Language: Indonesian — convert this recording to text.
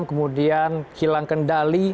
kemudian hilang kendali